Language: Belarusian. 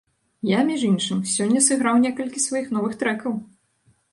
Я, між іншым, сёння сыграў некалькі сваіх новых трэкаў!